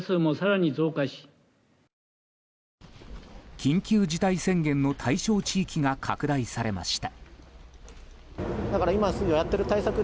緊急事態宣言の対象地域が拡大されました。